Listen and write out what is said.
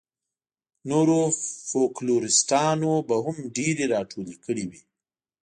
نورو فوکلوریسټانو به هم ډېرې راټولې کړې وي.